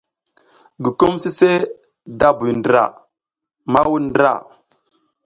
Gukum sise da buy ndra ma wuɗ ndra.